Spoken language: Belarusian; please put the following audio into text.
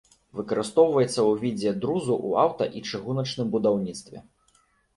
Выкарыстоўваецца ў відзе друзу ў аўта- і чыгуначным будаўніцтве.